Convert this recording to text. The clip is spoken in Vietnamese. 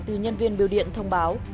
từ nhân viên biểu điện thông báo